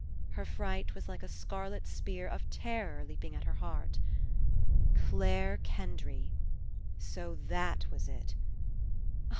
Her fright was like a scarlet spear of terror leaping at her heart. Clare Kendry! So that was It!